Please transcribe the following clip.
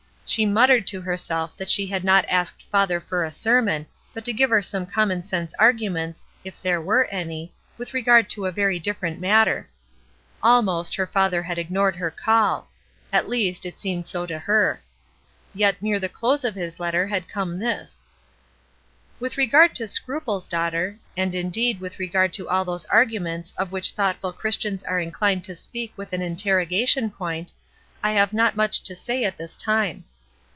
She muttered to herself that she had not asked father for a sermon, but to give her some common sense arguments, if there 131 132 ESTER RIED'S NAMESAKE were any, with regard to a very different matter Almost, her father had ignored her call at least, it seemed so to her. Yet near the dose of his letter had come this :— "With regard to 'scruples,' daughter, and indeed with regard to all those amusements of which thoughtful Christians are inclined to speak with an interrogation point, I have not much to say at this time.